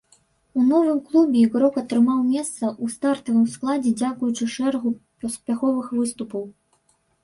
У новым клубе ігрок атрымаў месца ў стартавым складзе дзякуючы шэрагу паспяховых выступаў.